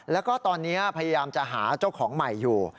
แล้วก็ตอนนี้พยายามจะหาเจ้าของใหม่อยู่